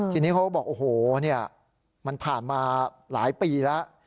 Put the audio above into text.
ทีนี้เขาก็บอกโอ้โหมันผ่านมาหลายปีแล้ว